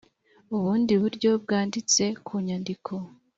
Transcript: ubundi buryo bwanditse ku nyandiko